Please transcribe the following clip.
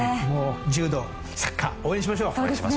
柔道、サッカー応援しましょう！